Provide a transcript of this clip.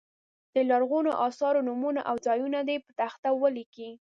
د لرغونو اثارو نومونه او ځایونه دې په تخته ولیکي.